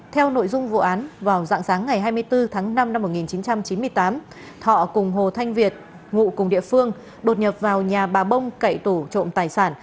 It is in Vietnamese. theo nội dung vụ án vào dạng sáng ngày hai mươi bốn tháng năm năm một nghìn chín trăm chín mươi tám thọ cùng hồ thanh việt ngụ cùng địa phương đột nhập vào nhà bà bông cậy tủ trộm tài sản